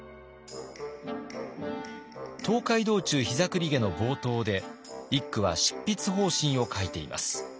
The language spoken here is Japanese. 「東海道中膝栗毛」の冒頭で一九は執筆方針を書いています。